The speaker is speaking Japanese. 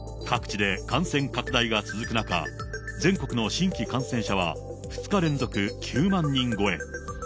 各地で感染拡大が続く中、全国の新規感染者は２日連続９万人超え。